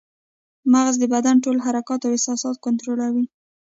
مغز د بدن ټول حرکات او احساسات کنټرولوي